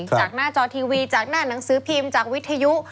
จากหน้าจอทีวีจากหน้าหนังสือพิมพ์จากวิทยุ